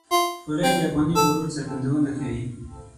خولۍ د افغاني غرور څرګندونه کوي.